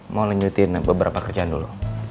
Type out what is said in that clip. mau lanjutin beberapa kerjaan dulu